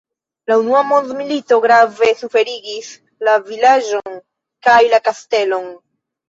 La unua mondmilito grave suferigis la vilaĝon kaj la kastelon.